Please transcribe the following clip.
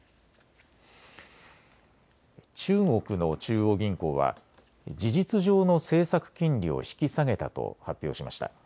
中国の中央銀行は事実上の政策金利を引き下げたと発表しました。